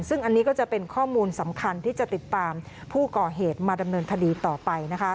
ซึ่งอันนี้ก็จะเป็นข้อมูลสำคัญที่จะติดตามผู้ก่อเหตุมาดำเนินคดีต่อไป